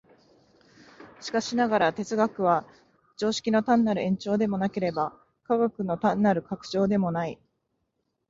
しかしながら、哲学は常識の単なる延長でもなければ、科学の単なる拡張でもない。